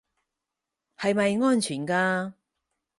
係咪安全㗎